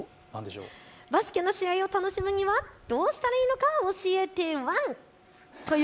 バスケの試合を楽しむにはどうしたらいいのか教えてワン。